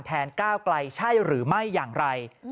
ก้าวไกลใช่หรือไม่อย่างไร